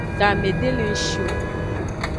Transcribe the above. Game de le ng shi o.